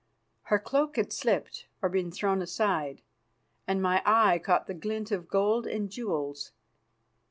Her cloak had slipped or been thrown aside, and my eye caught the glint of gold and jewels.